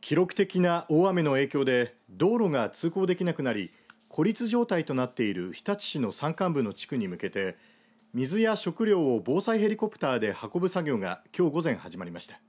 記録的な大雨の影響で道路が通行できなくなり孤立状態となっている日立市の山間部の地区に向けて水や食料を防災ヘリコプターで運ぶ作業がきょう午前始まりました。